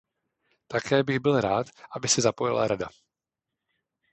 Také bych byl rád, aby se zapojila Rada.